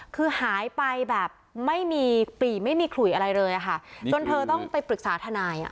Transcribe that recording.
คือหายไปแบบไม่มีปรีไม่มีขลุยอะไรเลยค่ะจนเธอต้องไปปรึกษาทนายอ่ะ